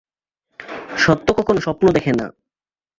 সত্য কখনও স্বপ্ন দেখে না।